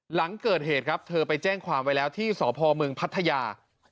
หลังเกิดเหตุครับเธอไปแจ้งความไว้แล้วที่สพเมืองพัทยา